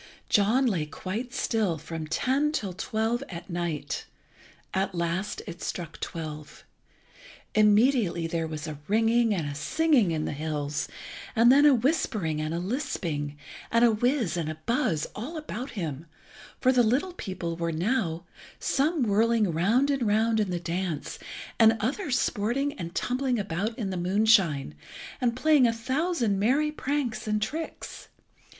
John lay quite still from ten till twelve at night. At last it struck twelve. Immediately there was a ringing and a singing in the hills, and then a whispering and a lisping, and a whiz and a buzz all about him, for the little people were now, some whirling round and round in the dance, and others sporting and tumbling about in the moonshine, and playing a thousand merry pranks and tricks.